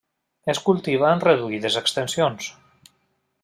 Es cultiva en reduïdes extensions.